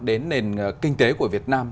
đến nền kinh tế của việt nam